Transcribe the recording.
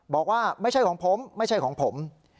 บอกว่าไม่ใช่ของผมไม่ใช่ของผม